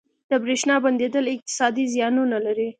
• د برېښنا بندیدل اقتصادي زیانونه لري.